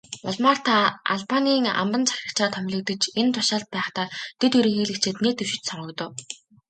Улмаар та Албанийн амбан захирагчаар томилогдож, энэ тушаалд байхдаа дэд ерөнхийлөгчид нэр дэвшиж, сонгогдов.